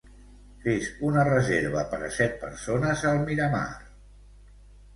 Fes una reserva per a set persones al Miramar.